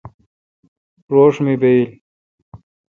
روݭ می بایل۔